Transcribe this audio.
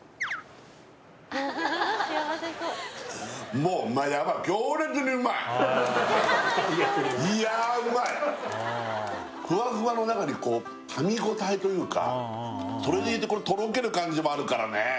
もういやうまいフワフワの中にこう噛み応えというかそれでいてとろける感じもあるからね